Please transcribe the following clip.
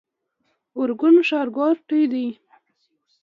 ارګون ښارګوټی دی؟